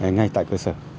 ngay tại cơ sở